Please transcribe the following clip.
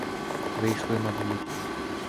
Вийшли надвір.